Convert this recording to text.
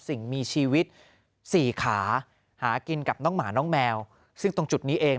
สิ่งมีชีวิตสี่ขาหากินกับน้องหมาน้องแมวซึ่งตรงจุดนี้เอง